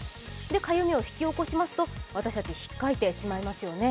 かゆみを引き起こしますと、私たちひっかいてしまいますよね。